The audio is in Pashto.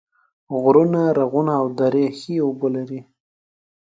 غرونه، رغونه او درې ښې اوبه لري